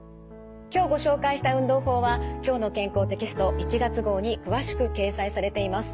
今日ご紹介した運動法は「きょうの健康」テキスト１月号に詳しく掲載されています。